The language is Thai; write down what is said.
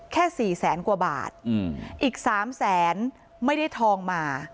สี่แสนกว่าบาทอีกสามแสนไม่ได้ทองมา